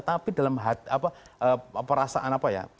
tapi dalam perasaan apa ya